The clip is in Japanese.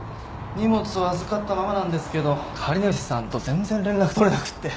荷物を預かったままなんですけど借り主さんと全然連絡取れなくて。